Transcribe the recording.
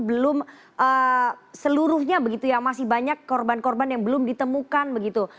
belum seluruhnya begitu ya masih banyak korban korban yang belum ditemukan begitu